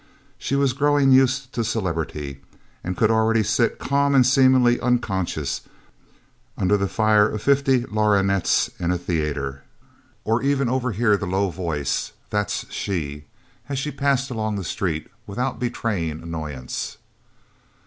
She was growing used to celebrity, and could already sit calm and seemingly unconscious, under the fire of fifty lorgnettes in a theatre, or even overhear the low voice "That's she!" as she passed along the street without betraying annoyance.